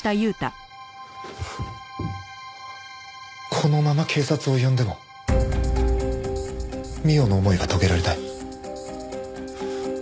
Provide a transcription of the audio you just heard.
このまま警察を呼んでも美緒の思いは遂げられない。